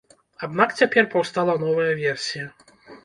Аднак цяпер паўстала новая версія.